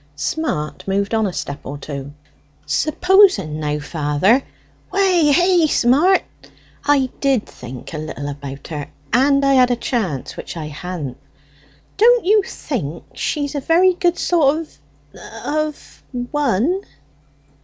Smart moved on a step or two. "Supposing now, father, We hey, Smart! I did think a little about her, and I had a chance, which I ha'n't; don't you think she's a very good sort of of one?"